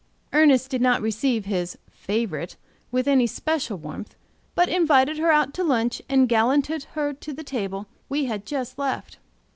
Ernest did not receive his "favorite" with any special warmth; but invited her out to lunch and gallanted her to the table we had just left.